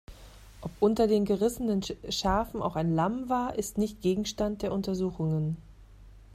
Ob unter den gerissenen Schafen auch ein Lamm war, ist nicht Gegenstand der Untersuchungen.